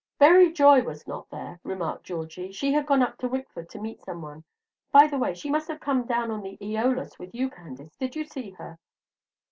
"Berry Joy was not there," remarked Georgie. "She had gone up to Wickford to meet some one. By the way, she must have come down on the 'Eolus' with you, Candace. Did you see her?"